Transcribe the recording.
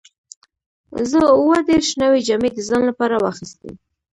زه اووه دیرش نوې جامې د ځان لپاره واخیستې.